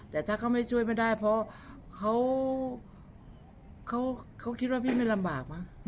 แต่ถ้าเขาไม่ช่วยไม่ได้เพราะเขาคิดว่าพี่ไม่ลำบากมั้ง